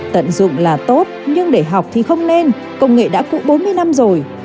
tận dụng là tốt nhưng để học thì không nên công nghệ đã cũ bốn mươi năm rồi